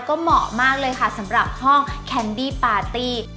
ก็เหมาะมากเลยค่ะสำหรับห้องแคนดี้ปาร์ตี้